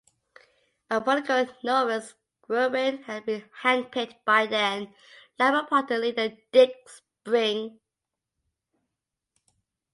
A political novice, Guerin had been hand-picked by then Labour Party leader Dick Spring.